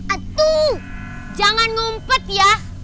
aduh aduh aduh